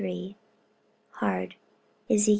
Hard, Ezek.